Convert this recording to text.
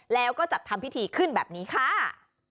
แล้วก็จัดทำพิธีขึ้นแบบนี้ค่ะ